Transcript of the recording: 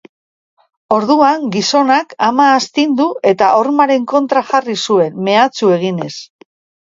Orduan, gizonak ama astindu eta hormaren kontra jarri zuen, mehatxu eginez.